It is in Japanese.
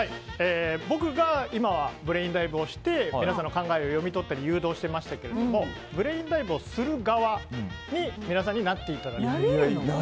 僕が今はブレインダイブをして皆さんの考えを読み取ったり、誘導しましたがブレインダイブをする側に皆さんになっていただきたい。